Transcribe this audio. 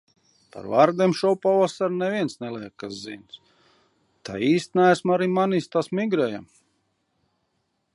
Par vardēm šopavasar neviens neliekas zinis. Tā īsti neesmu arī manījusi tās migrējam.